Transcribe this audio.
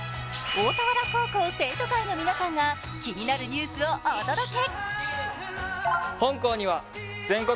大田原高校生徒会の皆さんが、気になるニュースをお届け。